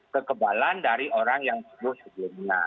kekebalan dari orang yang sembuh sebelumnya